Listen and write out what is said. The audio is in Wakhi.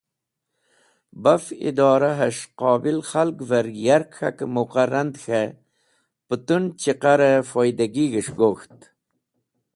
Baf Idorahes̃h Qobil Khalgver yark K̃hake Muqa rand ̃he putun Chiqare Foydagig̃h es̃h gok̃ht.